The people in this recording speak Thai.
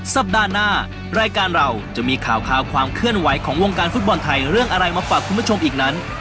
สัปดาห์หน้ารายการเราจะมีข่าวความเคลื่อนไหวของวงการฟุตบอลไทยเรื่องอะไรมาฝากคุณผู้ชมอีกนั้น